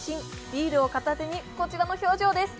ビールを片手に、こちらの表情です